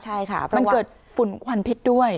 ใช่ค่ะมันเกิดฝุ่นควันพิษด้วย